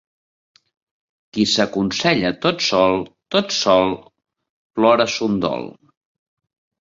Qui s'aconsella tot sol, tot sol plora son dol.